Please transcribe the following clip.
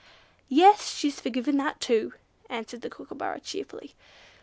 "Yes! she's forgiven that too," answered the Kookooburra cheerfully.